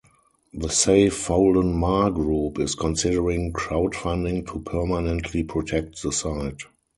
The Save Foulden Maar group is considering crowdfunding to permanently protect the site.